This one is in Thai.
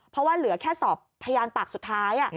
เพราะว่าเหลือแค่สอบพยานปากสุดท้าย